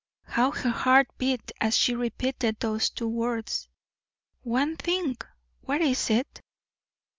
How her heart beat as she repeated those two words. "One thing! What is it?"